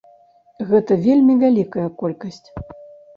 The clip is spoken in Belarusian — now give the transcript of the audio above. Гэта вельмі вялікая колькасць.